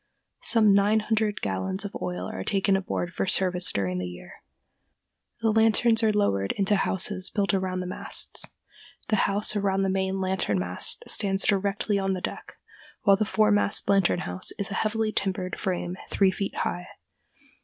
Some nine hundred gallons of oil are taken aboard for service during the year. The lanterns are lowered into houses built around the masts. The house around the main lantern mast stands directly on the deck, while the foremast lantern house is a heavily timbered frame three feet high.